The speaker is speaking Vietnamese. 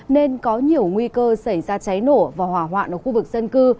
nên có nhiều nguy cơ xảy ra cháy nổ và hỏa hoạn ở khu vực dân cư